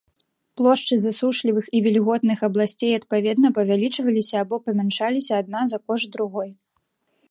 Плошчы засушлівых і вільготных абласцей адпаведна павялічваліся або памяншаліся адна за кошт другой.